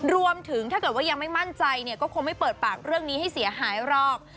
ถ้าเกิดว่ายังไม่มั่นใจเนี่ยก็คงไม่เปิดปากเรื่องนี้ให้เสียหายหรอก